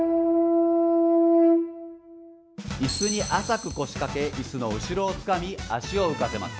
イスに浅く腰掛けイスの後ろをつかみ足を浮かせます。